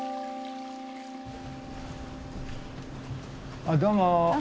あっどうも。